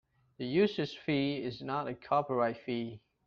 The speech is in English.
The usage fee is not a copyright fee.